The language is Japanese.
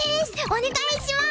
お願いします。